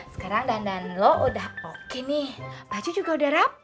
sekarang dandan lo udah koki nih aceh juga udah rapi